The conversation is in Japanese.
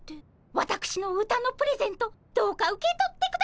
わたくしの歌のプレゼントどうか受け取ってくださいませ。